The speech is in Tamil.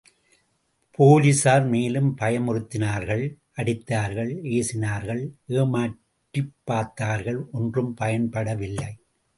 போலிஸார் மேலும் பயமுறுத்தினார்கள், அடித்தார்கள், ஏசினார்கள், ஏமாற்றிப் பார்த்தார்கள், ஒன்றும் பயன்படவில்லை.